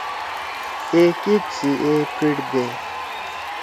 ئے کیک سی اے پھیِٹ دے۔